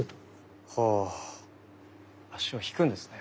足を引くんですね。